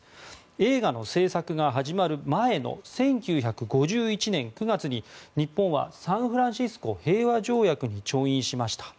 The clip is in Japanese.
映画の製作が始まる前の１９５１年９月に日本はサンフランシスコ平和条約に調印しました。